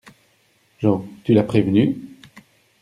JEAN : Tu l’as prévenue ?